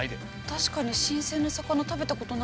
確かに新鮮な魚食べたことない。